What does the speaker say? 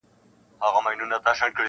o هغو چي کړه تسخیر د اسمان ستوريقاسم یاره,